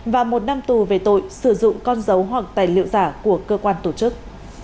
và một năm tù về tội sử dụng con dấu hoặc tài liệu giả của cơ quan tổ chức